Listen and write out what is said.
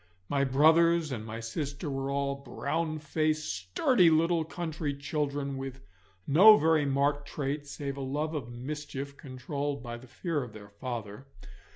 My brothers and my sister were all brownfaced, sturdy little country children, with no very marked traits save a love of mischief controlled by the fear of their father.